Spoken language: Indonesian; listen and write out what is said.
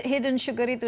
hidden sugar itu